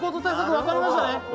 分かりました